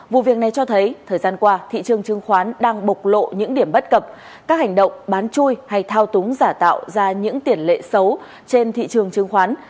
vụ việc này cho thấy thời gian qua thị trường chứng khoán đang bộc lộ những điểm bất cập các hành động bán chui hay thao túng giả tạo ra những tiền lệ xấu trên thị trường chứng khoán